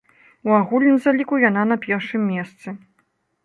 У агульным заліку яна на першым месцы.